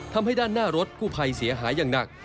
ทำให้ด้านหน้ารถกู้ภัยเสียหายอย่างหนัก